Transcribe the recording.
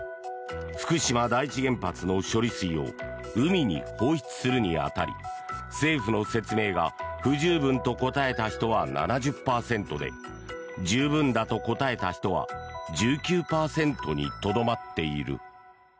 福島第一原発の処理水を海に放出にするに当たり政府の説明が不十分と答えた人は７０％で十分だと答えた人は１９％にとどまっている。